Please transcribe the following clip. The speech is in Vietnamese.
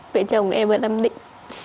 về chồng em ở nam định